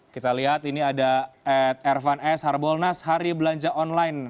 kita lihat ini ada ad ervan s harbolnas hari belanja online